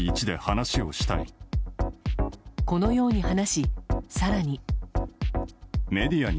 このように話し、更に。